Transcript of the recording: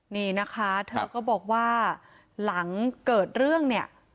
นี่นะคะเธอก็บอกว่าหลังเกิดเรื่องเนี่ย